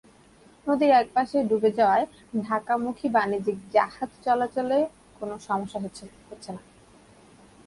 নদীর একপাশে ডুবে যাওয়ায় ঢাকামুখী বাণিজ্যিক জাহাজ চলাচলে কোনো সমস্যা হচ্ছে না।